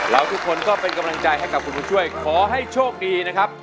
ทุกคนก็เป็นกำลังใจให้กับคุณบุญช่วยขอให้โชคดีนะครับ